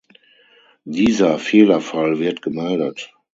Dieser Fehlerfall wird gemeldet.